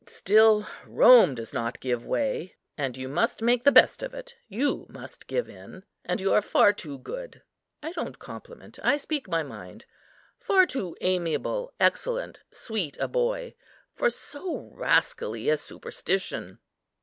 Still Rome does not give way; and you must make the best of it. You must give in, and you are far too good (I don't compliment, I speak my mind), far too amiable, excellent, sweet a boy for so rascally a superstition."